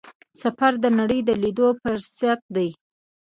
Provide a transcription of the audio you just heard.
سفر د نړۍ لیدلو فرصت دی.